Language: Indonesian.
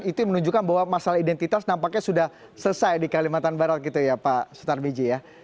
itu menunjukkan bahwa masalah identitas nampaknya sudah selesai di kalimantan barat gitu ya pak sutar miji ya